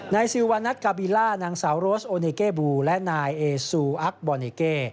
ซิลวานัทกาบิล่านางสาวโรสโอเนเกบูและนายเอซูอักบอเนเก